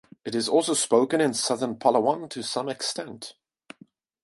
It is also spoken in southern Palawan to some extent.